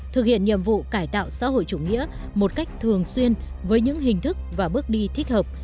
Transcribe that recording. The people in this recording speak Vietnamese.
thực hiện nhiệm vụ cải tạo xã hội chủ nghĩa một cách thường xuyên với những hình thức và bước đi thích hợp